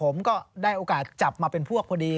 ผมก็ได้โอกาสจับมาเป็นพวกพอดี